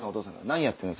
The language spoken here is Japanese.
「何やってるの？